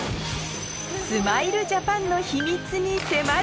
スマイルジャパンの秘密に迫る！